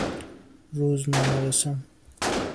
روزنامه رسان